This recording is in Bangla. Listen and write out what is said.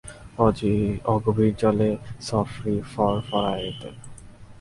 অগভীর জলে সফরী ফর-ফরায়তে।